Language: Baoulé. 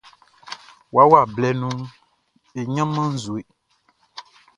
Wawa blɛ nunʼn, e ɲanman nʼzue.